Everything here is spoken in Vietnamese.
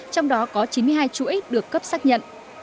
trong đó có chín mươi hai chuỗi được cấp xác nhận